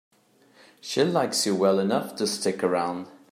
She likes you well enough to stick around.